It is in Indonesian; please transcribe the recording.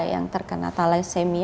yang terkena thalassemia